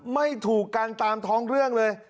ไม่ถูกกันตามท้องเรื่องเลย